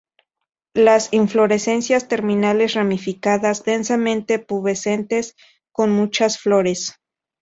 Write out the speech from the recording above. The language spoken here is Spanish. Las inflorescencias terminales, ramificadas, densamente pubescentes, con muchas flores.